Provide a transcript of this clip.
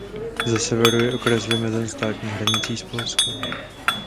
Ze severu je okres vymezen státní hranicí s Polskem.